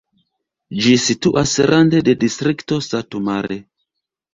Ĝi situas rande de distrikto Satu Mare.